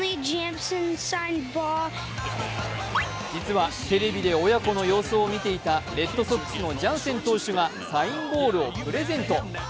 実は、テレビ出親子の様子を見ていたレッドソックスのジャンセン投手がサインボールをプレゼント。